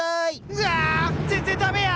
うわ全然駄目や！